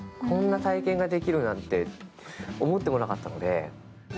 こんな体験ができるなんて思ってもなかったので。